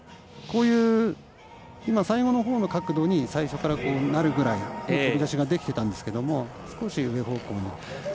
こういう最後のような角度に最初からなるぐらいの飛び出しができていたんですけれども少し、上方向に。